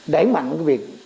đẩy mạnh việc